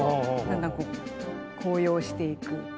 だんだんこう高揚していく。